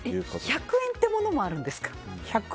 １００円ってものもあるんですか？